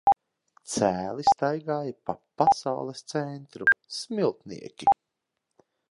Cēli staigāja pa Pasaules centru "Smiltnieki".